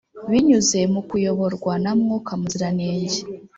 binyuze mu kuyoborwa na mwuka muziranenge